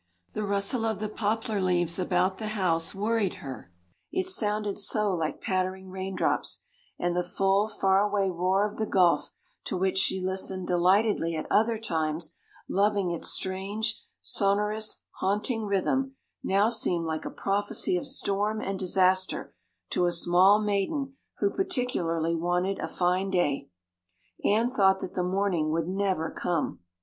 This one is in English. The rustle of the poplar leaves about the house worried her, it sounded so like pattering raindrops, and the full, faraway roar of the gulf, to which she listened delightedly at other times, loving its strange, sonorous, haunting rhythm, now seemed like a prophecy of storm and disaster to a small maiden who particularly wanted a fine day. Anne thought that the morning would never come.